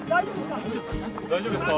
大丈夫ですか？